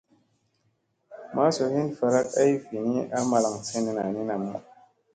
Masu hin varak ay vini a malaŋ senena ni namu.